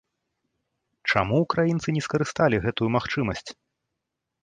Чаму украінцы не скарысталі гэтую магчымасць?